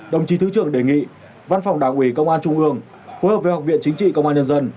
đồng chí thứ trưởng đề nghị văn phòng đảng ủy công an trung ương phối hợp với học viện chính trị công an nhân dân